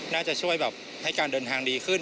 น่าจะช่วยแบบให้การเดินทางดีขึ้น